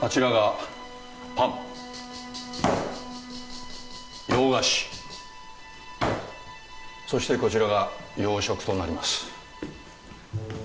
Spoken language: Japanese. あちらがパン洋菓子そしてこちらが洋食となります